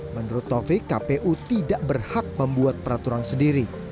menurut taufik kpu tidak berhak membuat peraturan sendiri